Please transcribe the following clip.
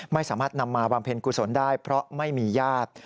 ไม่สามารถนำมาบำเพ็ญกุศลได้เพราะไม่มีญาติ